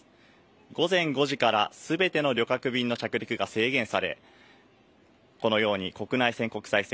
午前５時からすべての旅客便の着陸が制限され、このように国内線、国際線